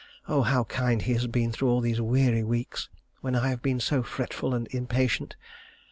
Oh! how kind he has been through all these weary weeks, when I have been so fretful and impatient.